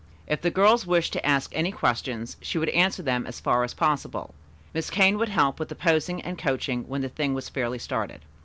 If the girls wished to ask any questions, she would answer them as far as possible. Miss Kane would help with the posing and coaching when the thing was fairly started.